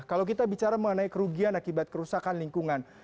kalau kita bicara mengenai kerugian akibat kerusakan lingkungan